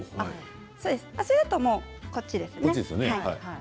それだとこっちですね。